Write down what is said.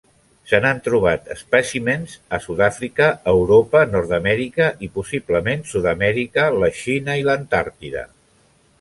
Se n'han trobat espècimens a Sud-àfrica, Europa, Nord-amèrica i possiblement Sud-amèrica, la Xina i l'Antàrtida.